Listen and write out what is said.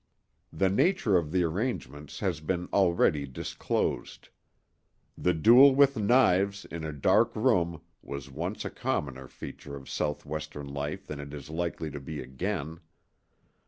The nature of the arrangements has been already disclosed. The duel with knives in a dark room was once a commoner feature of Southwestern life than it is likely to be again.